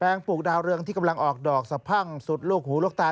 ปลูกดาวเรืองที่กำลังออกดอกสะพั่งสุดลูกหูลูกตา